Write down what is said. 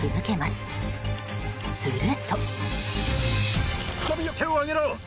すると。